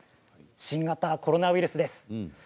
新型コロナウイルスです。